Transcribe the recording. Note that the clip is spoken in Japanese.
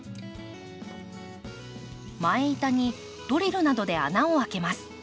前板にドリルなどで穴を開けます。